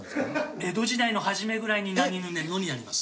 江戸時代の初めぐらいに「なにぬねの」になります。